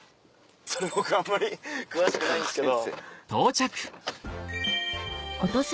僕あんまり詳しくないんですけど。